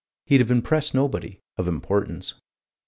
He'd have impressed nobody of importance.